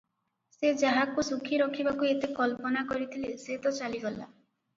ସେ ଯାହାକୁ ସୁଖୀ କରିବାକୁ ଏତେ କଳ୍ପନା କରିଥିଲେ, ସେ ତ ଚାଲିଗଲା ।